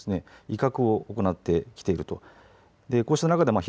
威嚇を行ってきていると。